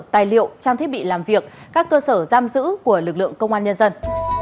tài liệu trang thiết bị làm việc các cơ sở giam giữ của lực lượng công an nhân dân